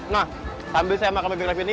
nah sambil saya makan baby crab ini